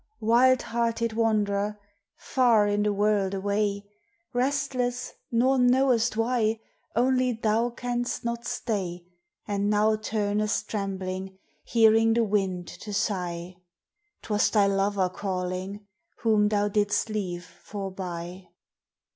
wild hearted wand'rer far in the world away Restless nor knowest why only thou canst not stay And now turnest trembling hearing the wind to sigh: 'Twas thy lover calling whom thou didst leave forby.